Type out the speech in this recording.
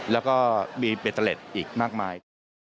แล้วก็มีเบเตอร์เล็ตอีกมากมาย